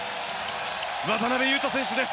渡邊雄太選手です。